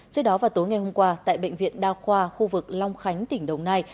trước đó vào tối ngày hôm qua tại bệnh viện đa khoa khu vực long khánh tỉnh đồng nai